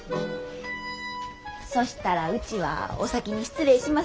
そしたらウチはお先に失礼しますよってに。